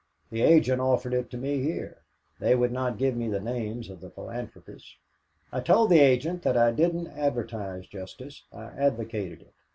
The agent offered it to me here. They would not give me the names of the philanthropists. I told the agent that I didn't advertise justice, I advocated it.